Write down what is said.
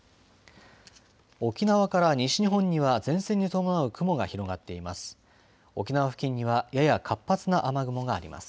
沖縄から西日本には前線に伴う雲が広がっています。